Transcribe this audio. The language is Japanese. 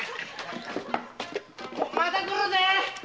また来るぜ！